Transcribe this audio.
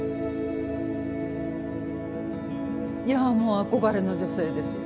いやもう憧れの女性ですよ。